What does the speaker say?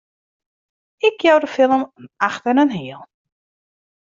Ik jou de film in acht en in heal!